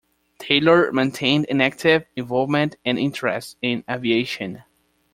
Taylor maintained an active involvement and interest in aviation.